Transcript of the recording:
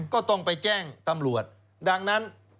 ก็ต้องไปแจ้งตำรวจดังนั้น